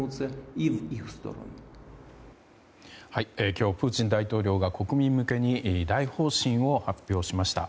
今日プーチン大統領が国民向けに大方針を発表しました。